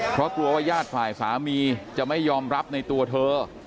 เพราะกลัวว่าญาติฝ่ายสามีจะไม่ยอมรับในตัวเธอ